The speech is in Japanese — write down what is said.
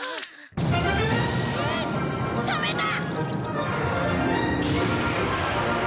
ええ！？サメだ！